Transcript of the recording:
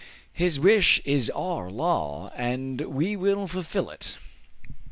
His wish is our law, and we will fulfil it."